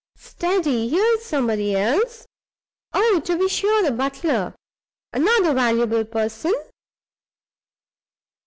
Steady! Here's somebody else. Oh, to be sure the butler! Another valuable person.